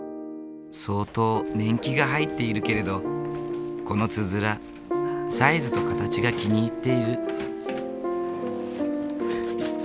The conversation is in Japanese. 相当年季が入っているけれどこのつづらサイズと形が気に入っている。